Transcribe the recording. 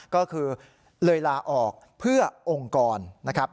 ก็คือเลยลาออกเพื่อองค์กรนะครับ